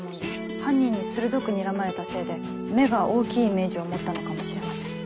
犯人に鋭くにらまれたせいで目が大きいイメージを持ったのかもしれません。